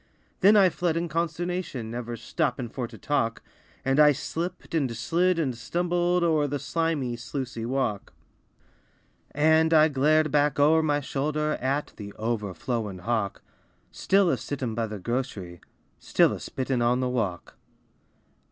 Then I fled in consternation, Never stoppin' for to talk, And I slipped and slid and stumbled O'er the slimy, sluicy walk. 76 LIFE WAVES And I glared back o'er my shoulder At the "over flowin' " Hawk, Still a sittin' by the grocery, Still a spittin' on the walk.